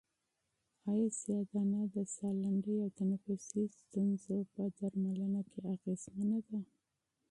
آیا سیاه دانه د سالنډۍ او تنفسي ستونزو په درملنه کې اغېزمنه ده؟